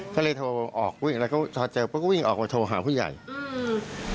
ก็เลยโทรออกวิ่งแล้วก็พอเจอปุ๊บก็วิ่งออกมาโทรหาผู้ใหญ่อืม